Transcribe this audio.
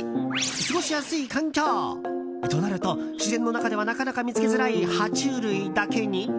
過ごしやすい環境となると自然の中ではなかなか見つけづらい爬虫類だけに。